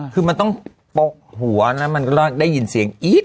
คือมันต้องปกหัวแล้วมันก็ได้ยินเสียงอี๊ด